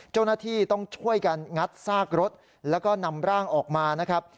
เจ้าหน้าที่ต้องช่วยกันงัดซากรถแล้วก็นำร่างออกมานะครับ